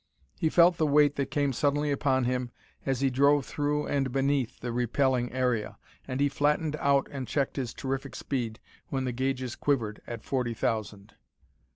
He felt the weight that came suddenly upon him as he drove through and beneath the repelling area, and he flattened out and checked his terrific speed when the gauges quivered at forty thousand.